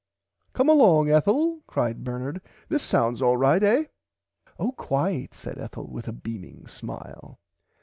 Come along Ethel cried Bernard this sounds alright eh. Oh quite said Ethel with a beaming smile.